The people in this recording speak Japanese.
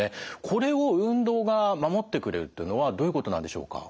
これを運動が守ってくれるっていうのはどういうことなんでしょうか。